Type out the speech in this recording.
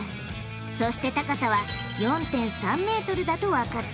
そして高さは４．３ｍだとわかった。